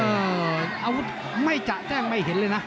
อาวุธไม่จะแจ้งไม่เห็นเลยนะ